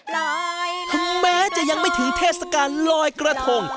ถึงแม้จะยังไม่ถึงเทศกาลลอยกระทง